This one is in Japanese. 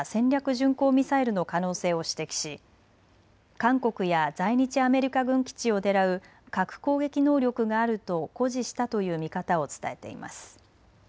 巡航ミサイルの可能性を指摘し、韓国や在日アメリカ軍基地を狙う核攻撃能力があると誇示したという見方を伝えています。